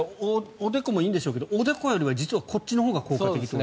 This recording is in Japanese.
おでこもいいんでしょうけどおでこより実はこっちのほうが効果的と。